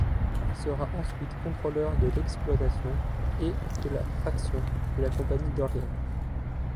Il sera ensuite contrôleur de l'exploitation et de la traction de la compagnie d'Orléans.